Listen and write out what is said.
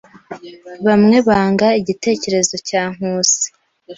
Bamwe banga igitekerezo cya Nkusi.